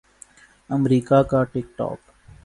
امریکا کا ٹک ٹاک